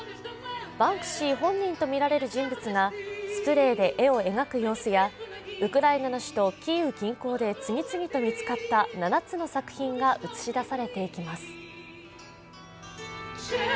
バンクシー本人とみられる人物がスプレーで絵を描く様子やウクライナの首都キーウ近郊で次々と見つかった７つの作品が映し出されていきます。